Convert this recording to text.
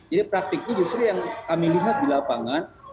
jadi praktiknya justru yang kami lihat di lapangan